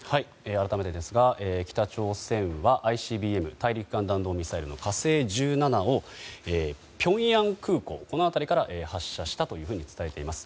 改めてですが北朝鮮はＩＣＢＭ・大陸間弾道ミサイル「火星１７」をピョンヤン空港から発射したというふうに伝えています。